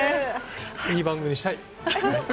いい番組にしたい！